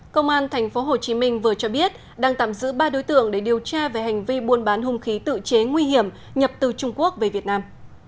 công an tp hcm vừa cho biết đang tạm giữ ba đối tượng để điều tra về hành vi buôn bán hung khí tự chế nguy hiểm nhập từ trung quốc về việt nam